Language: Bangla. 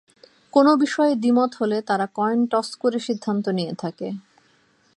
কোনো বিষয়ে দ্বিমত হলে তারা কয়েন টস করে সিদ্ধান্ত নিয়ে থাকে।